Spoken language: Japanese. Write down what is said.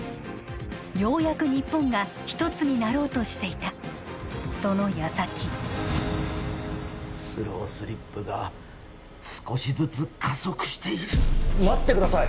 ようやく日本が一つになろうとしていたそのやさきスロースリップが少しずつ加速している待ってください